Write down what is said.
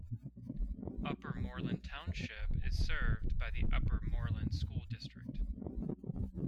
Upper Moreland Township is served by the Upper Moreland School District.